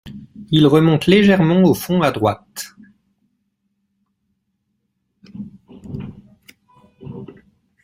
Il remonte légèrement au fond à droite.